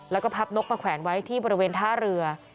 แล้วก็พับนกมาแขวนไว้ที่บริเวณท่าเรือ